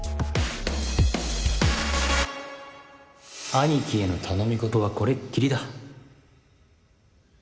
兄貴への頼みごとはこれっきりだ